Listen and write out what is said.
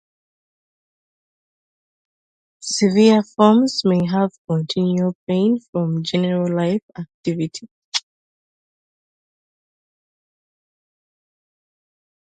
Severe forms may have continual pain from general life activity.